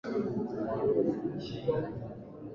na ni nyinyi wasusi na watengenezaji nywele hapa